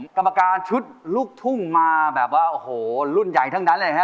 กรรมการชุดลูกทุ่งมาแบบว่าโอ้โหรุ่นใหญ่ทั้งนั้นเลยฮะ